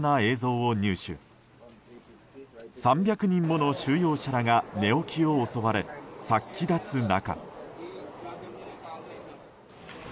およそ３００人の収容者らが寝起きを襲われ殺気立つ中。